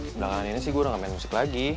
belakangan ini sih gue udah gak main musik lagi